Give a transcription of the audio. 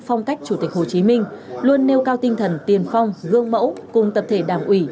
phong cách chủ tịch hồ chí minh luôn nêu cao tinh thần tiền phong gương mẫu cùng tập thể đảng ủy